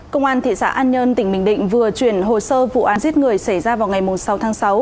công an tp hcm vừa chuyển hồ sơ vụ án giết người xảy ra vào ngày sáu tháng sáu